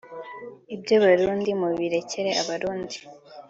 Iby’Abarundi mubirekere Abarundi